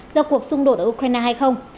do cuộc xung đột ở ukraine hai